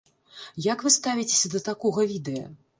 Як вы ставіцеся да такога відэа?